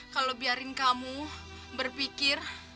kalau biarin kamu berpikir